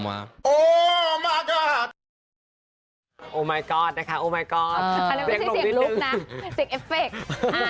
อันนี้ไม่ใช่เสียงลุคนะเสียงเอฟเฟกส์